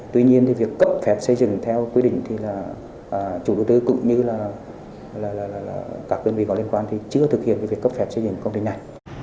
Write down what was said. tuy nhiên thì việc cấp phép xây dựng theo quy định thì là chủ đầu tư cũng như là các đơn vị có liên quan thì chưa thực hiện việc cấp phép xây dựng công trình này